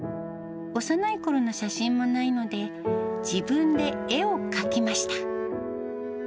幼いころの写真もないので、自分で絵を描きました。